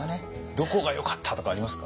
どこがよかったとかありますか？